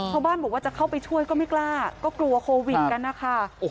ชาวบ้านบอกว่าจะเข้าไปช่วยก็ไม่กล้าก็กลัวโควิดกันนะคะ